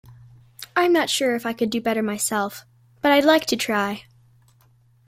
I'm not sure if I could do better myself, but I'd like to try.